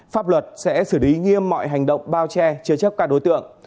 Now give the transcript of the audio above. pháp luật sẽ xử lý nghiêm mọi hành động bao che chế chấp các đối tượng